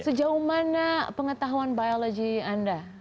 sejauh mana pengetahuan biologi anda